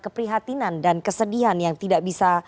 keprihatinan dan kesedihan yang tidak bisa